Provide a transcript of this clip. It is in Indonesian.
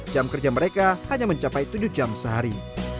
jam kerja mereka hanya mencapai tujuh jam sehari